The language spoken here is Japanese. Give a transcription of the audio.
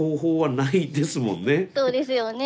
そうですよね。